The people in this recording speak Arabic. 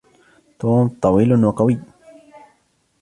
توم طويلٌ وقويّ.